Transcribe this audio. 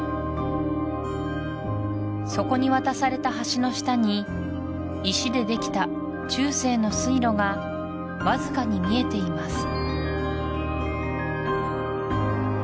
そこに渡された橋の下に石でできた中世の水路がわずかに見えています